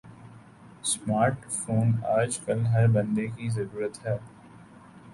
smart phone آج کل ہر بندے کی ضرورت ہے